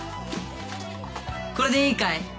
これでいいかい？